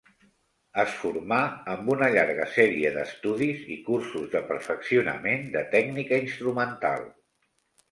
Es formà amb una llarga sèrie d'estudis i cursos de perfeccionament de tècnica instrumental.